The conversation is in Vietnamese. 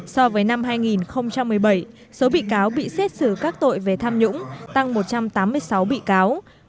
so với năm hai nghìn một mươi bảy số bị cáo bị xét xử các tội về tham nhũng tăng một trăm tám mươi sáu bị cáo